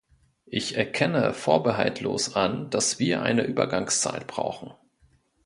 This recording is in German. Ich erkenne vorbehaltlos an, dass wir eine Übergangszeit brauchen.